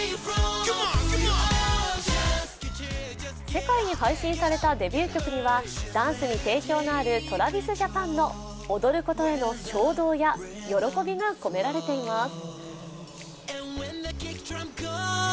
世界に配信されたデビュー曲にはダンスに提供のあるＴｒａｖｉｓＪａｐａｎの踊ることへの衝動や喜びが込められています。